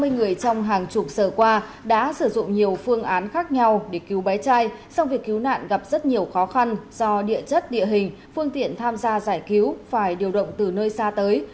ba mươi người trong hàng chục giờ qua đã sử dụng nhiều phương án khác nhau để cứu bé trai song việc cứu nạn gặp rất nhiều khó khăn do địa chất địa hình phương tiện tham gia giải cứu phải điều động từ nơi xa tới